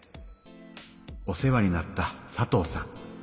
お世話になった佐藤さん。